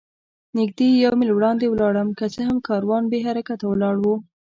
نږدې یو میل وړاندې ولاړم، که څه هم کاروان بې حرکته ولاړ و.